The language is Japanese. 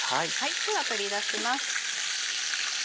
では取り出します。